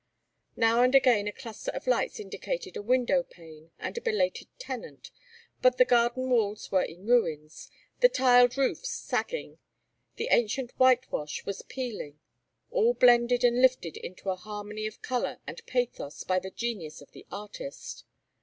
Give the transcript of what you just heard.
Now and again a cluster of lights indicated a window pane and a belated tenant, but the garden walls were in ruins, the tiled roofs sagging, the ancient whitewash was peeling; all blended and lifted into a harmony of color and pathos by the genius of the artist.